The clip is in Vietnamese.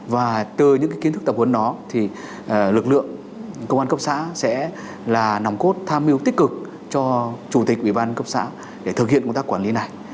và từ những kiến thức tập huấn đó thì lực lượng công an cấp xã sẽ là nòng cốt tham mưu tích cực cho chủ tịch ủy ban cấp xã để thực hiện công tác quản lý này